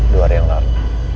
dua hari yang lalu